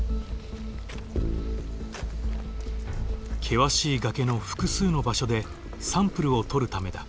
険しい崖の複数の場所でサンプルを採るためだ。